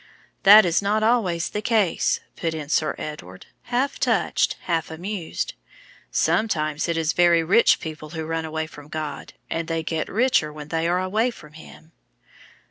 "That is not always the case," put in Sir Edward, half touched, half amused. "Sometimes it is very rich people who run away from God, and they get richer when they are away from Him."